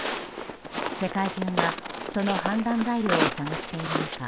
世界中がその判断材料を探している中